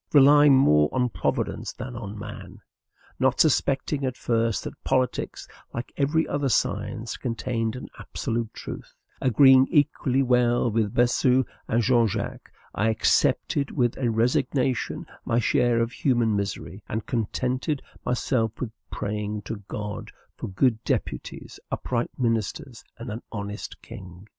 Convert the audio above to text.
Relying more on Providence than on men; not suspecting at first that politics, like every other science, contained an absolute truth; agreeing equally well with Bossuet and Jean Jacques, I accepted with resignation my share of human misery, and contented myself with praying to God for good deputies, upright ministers, and an honest king.